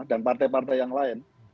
dan partai partai yang lain